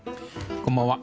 こんばんは。